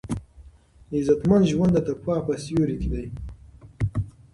عزتمن ژوند د تقوا په سیوري کې دی.